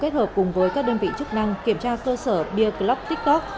hợp cùng với các đơn vị chức năng kiểm tra cơ sở beer club tiktok